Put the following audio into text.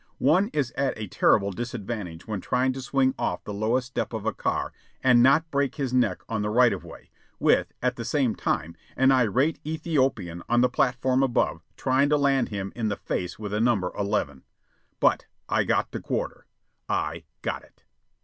One is at a terrible disadvantage when trying to swing off the lowest step of a car and not break his neck on the right of way, with, at the same time, an irate Ethiopian on the platform above trying to land him in the face with a number eleven. But I got the quarter! I got it!